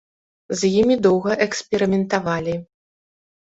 З імі доўга эксперыментавалі.